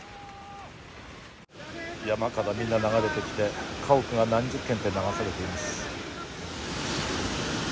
山からみんな流れてきて、家屋が何十軒って流されています。